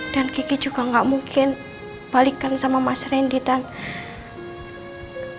dan kiki juga gak mungkin balikan sama mas randy tante